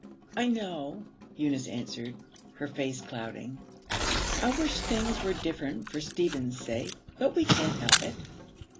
'I know,' Eunice answered, her face clouding. 'I wish things were different for Stephen's sake. But we can't help it.'